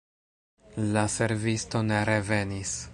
La servisto ne revenis.